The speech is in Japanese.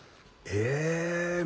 え。